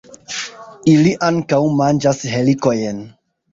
Ili ankaŭ manĝas helikojn.